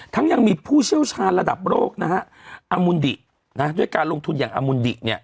ยังมีผู้เชี่ยวชาญระดับโลกนะฮะอมุนดิด้วยการลงทุนอย่างอมุนดิเนี่ย